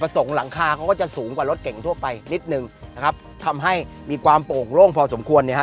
สงหลังคาเขาก็จะสูงกว่ารถเก่งทั่วไปนิดนึงนะครับทำให้มีความโป่งโล่งพอสมควรเนี่ยฮะ